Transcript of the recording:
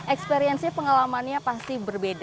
eksperiensnya pengalamannya pasti berbeda